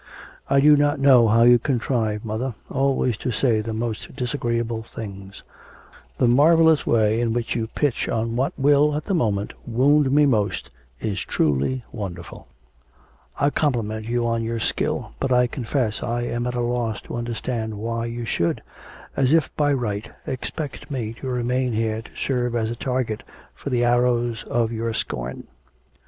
'I do not know how you contrive, mother, always to say the most disagreeable things; the marvellous way in which you pitch on what will, at the moment, wound me most, is truly wonderful. I compliment you on your skill, but I confess I am at a loss to understand why you should, as if by right, expect me to remain here to serve as a target for the arrows of your scorn.'